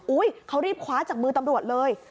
เขารีบคว้าจากมือตำรวจเลย